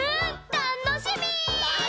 たのしみ！